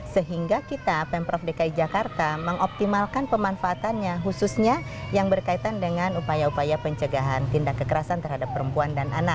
sehingga kita pemprov dki jakarta mengoptimalkan pemanfaatannya khususnya yang berkaitan dengan upaya upaya pencegahan tindak kekerasan terhadap perempuan dan anak